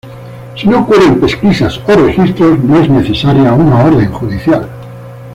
Si no ocurren pesquisas o registros, no es necesaria una orden judicial.